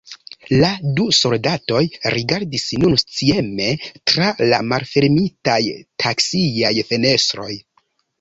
La du soldatoj rigardis nun scieme tra la malfermitaj taksiaj fenestroj.